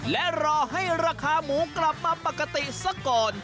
และรอให้ราคาหมูกลับมาปกติซะก่อน